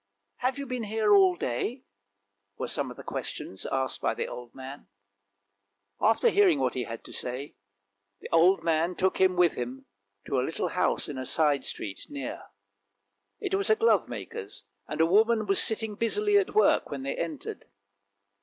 Have you been here all day? " were some of the questions asked by the old man. After hearing what he had to say, the old man took him with him to a little house in a side street near. It was a glovemaker's, and a woman was sitting busily at work when they entered.